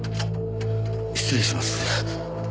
失礼します。